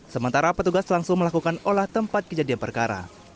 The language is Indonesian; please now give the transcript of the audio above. sementara petugas langsung melakukan olah tempat kejadian perkara